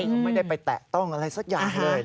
เขาไม่ได้ไปแตะต้องอะไรสักอย่างเลย